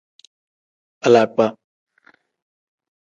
Alakpa.